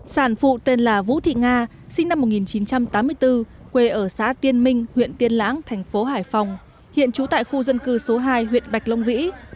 sản phụ tên là vũ thị nga sinh năm một nghìn chín trăm tám mươi bốn quê ở xã tiên minh huyện tiên lãng thành phố hải phòng hiện trú tại khu dân cư số hai huyện bạch long vĩ